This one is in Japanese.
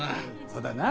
そうだな。